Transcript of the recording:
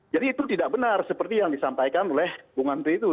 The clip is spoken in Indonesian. jadi itu tidak benar seperti yang disampaikan oleh bung andri itu